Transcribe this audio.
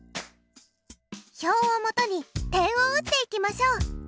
表をもとに点を打っていきましょう。